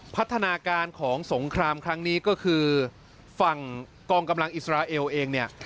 พัฒนาการของสงครามครั้งนี้ก็คือฝั่งกองกำลังอิสราเอลเองเนี่ย